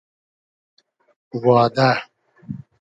وا دۂ